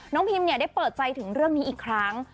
พิมได้เปิดใจถึงเรื่องนี้อีกครั้ง